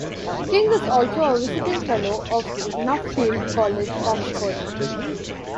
King is also a Visiting Fellow of Nuffield College, Oxford.